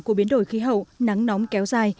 của biến đổi khí hậu nắng nóng kéo dài